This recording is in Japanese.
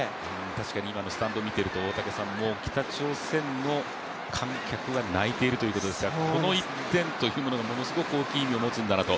確かにスタンドを見ていると、北朝鮮の観客は泣いているわけで、この１点というものがものすごく大きい意味を持つんだなと。